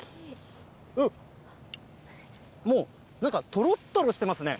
うん、もう、なんか、とろっとろしてますね。